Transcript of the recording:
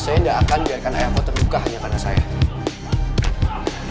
saya enggak akan biarkan ayahmu terbuka hanya karena saya